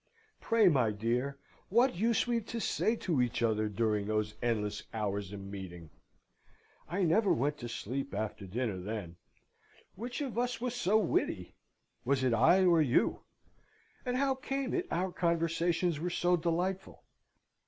Pray, my dear, what used we to say to each other during those endless hours of meeting? I never went to sleep after dinner then. Which of us was so witty? Was it I or you? And how came it our conversations were so delightful?